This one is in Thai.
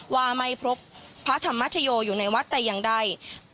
ว่าไม่พบพระธรรมชโยอยู่ในวัดแต่อย่างใด